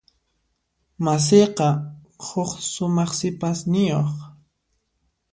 Masiyqa huk sumaq sipasniyuq.